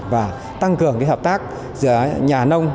và tăng cường hợp tác giữa nhà nông